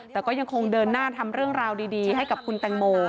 แต่ก็ยังคงเดินหน้าทำเรื่องราวดีให้กับคุณแตงโม